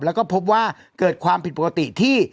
แล้วก็พบว่าเกิดความผิดปกติที่